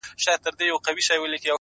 • زما له انګړه جنازې در پاڅي,